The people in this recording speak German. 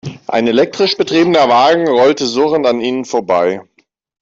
Ein elektrisch betriebener Wagen rollte surrend an ihnen vorbei.